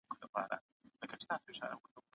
که انلاین ملاتړ وي، زده کوونکي له ستونزو نه ستړي کېږي.